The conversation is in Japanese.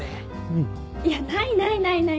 うん！いやないないないない。